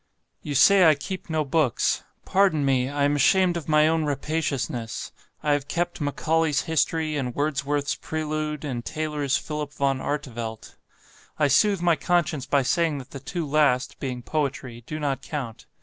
"You say I keep no books; pardon me I am ashamed of my own rapaciousness I have kept 'Macaulay's History,' and Wordsworth's 'Prelude', and Taylor's 'Philip Van Artevelde.' I soothe my conscience by saying that the two last, being poetry do not count.